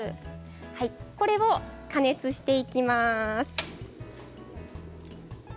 これを加熱していきます。